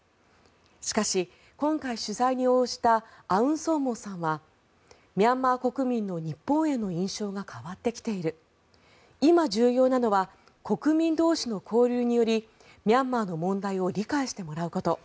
しかし今回、取材に応じたアウンソーモーさんはミャンマー国民の日本への印象が変わってきている今重要なのは国民同士の交流によりミャンマーの問題を理解してもらうこと。